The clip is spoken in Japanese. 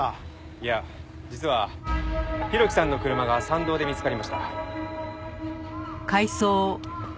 いや実は浩喜さんの車が山道で見つかりました。